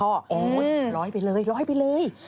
โอ้โหร้อยไปเลยร้อยไปเลย